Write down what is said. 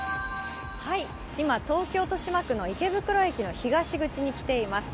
今、東京・豊島区の池袋駅の東口に来ています。